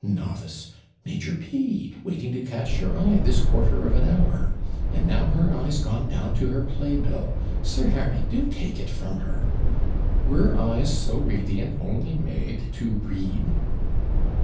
Novice! Major P waiting to catch your eye this quarter of an hour; and now her eyes gone down to her play bill! Sir Harry, do take it from her. 'Were eyes so radiant only made to read?'